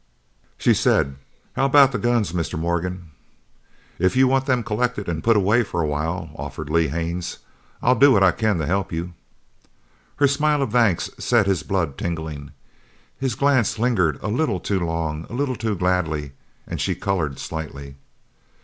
She said: "How about the guns, Mr. Morgan?" "If you want them collected and put away for a while," offered Lee Haines, "I'll do what I can to help you!" Her smile of thanks set his blood tingling. His glance lingered a little too long, a little too gladly, and she coloured slightly.